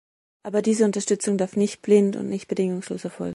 Aber diese Unterstützung darf nicht blind und nicht bedingungslos erfolgen.